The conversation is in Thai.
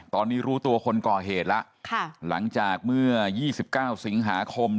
ตอนนี้รู้ตัวคนก่อเหตุแล้วหลังจากเมื่อ๒๙สิงหาคม